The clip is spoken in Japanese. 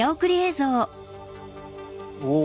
おお！